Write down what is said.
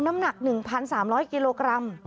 น้ำหนัก๑๓๐๐กิโลกรัม